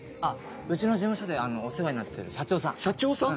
うちの事務所でお世話になってる社長さん社長さん？